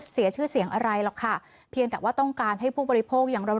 เสียชื่อเสียงอะไรหรอกค่ะเพียงแต่ว่าต้องการให้ผู้บริโภคอย่างเรา